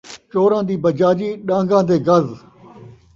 چوراں دی بجاجی ، ݙان٘گاں دے گز